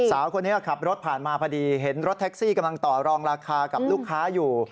สาวคนนี้ขับรถผ่านมาพอดีเห็นรถแท็กซี่กำลังต่อรองราคากับลูกค้าอยู่